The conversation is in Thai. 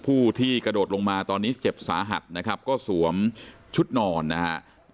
ผู้ที่กระโดดลงมาตอนนี้เจ็บสาหัสนะครับก็สวมชุดนอนนะฮะ